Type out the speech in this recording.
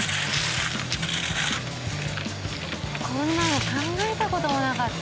こんなの考えた事もなかった。